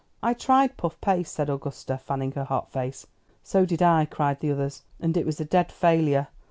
"I tried puff paste," said Augusta, fanning her hot face. "So did I," cried the others. "And it was a dead failure."